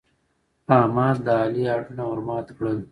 احمد د علي هډونه ور مات کړل.